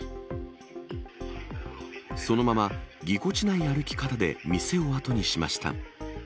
そのまま、ぎこちない歩き方で店を後にしました。